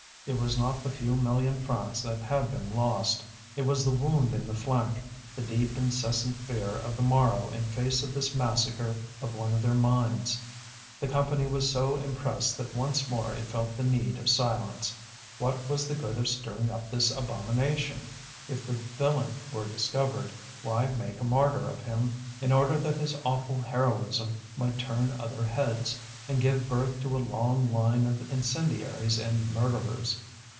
It was not the few million francs that had been lost, it was the wound in the flank, the deep incessant fear of the morrow in face of this massacre of one of their mines. The Company was so impressed that once more it felt the need of silence. What was the good of stirring up this abomination? If the villain were discovered, why make a martyr of him in order that his awful heroism might turn other heads, and give birth to a long line of incendiaries and murderers?